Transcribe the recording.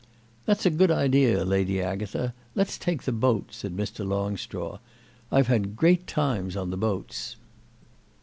"That's a good idea, Lady Agatha; let's take the boat," said Mr. Longstraw. "I've had great times on the boats."